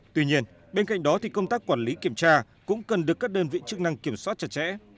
tuy nhiên bên cạnh đó thì công tác quản lý kiểm tra cũng cần được các đơn vị chức năng kiểm soát chặt chẽ